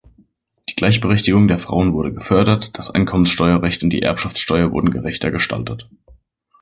Die Gleichberechtigung der Frauen wurde gefördert, das Einkommensteuerrecht und die Erbschaftssteuer wurden gerechter gestaltet.